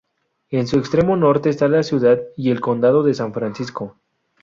En su extremo norte está la ciudad y el condado de San Francisco.